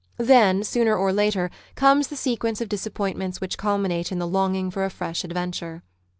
Then, sooner or later, comes the sequence of disappointments which culminate in the longing for a fresh adventure.